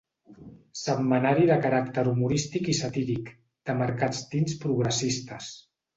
Setmanari de caràcter humorístic i satíric, de marcats tints progressistes.